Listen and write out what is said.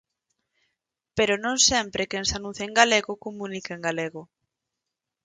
Pero non sempre quen se anuncia en galego comunica en galego.